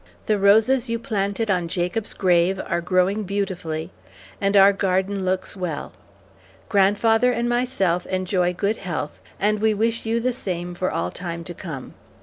The roses you planted on Jacob's grave are growing beautifully, and our garden looks well. Grandfather and myself enjoy good health, and we wish you the same for all time to come.